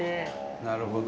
なるほど。